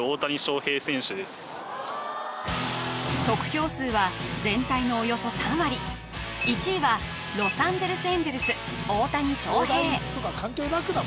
得票数は全体のおよそ３割１位はロサンゼルス・エンゼルス大谷翔平